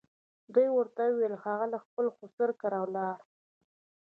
دوی ورته وویل هغه د خپل خسر کره ولاړ.